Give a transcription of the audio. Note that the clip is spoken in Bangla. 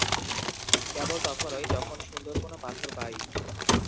কেবল তখনই, যখন সুন্দর কোনো পাথর পাই।